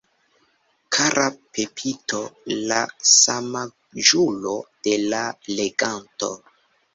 Kara Pepito, la samaĝulo de la leganto!